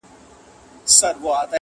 تا غرڅه غوندي اوتر اوتر کتلای؛